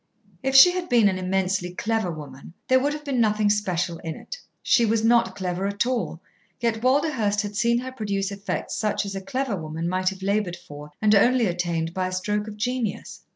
If she had been an immensely clever woman, there would have been nothing special in it. She was not clever at all, yet Walderhurst had seen her produce effects such as a clever woman might have laboured for and only attained by a stroke of genius.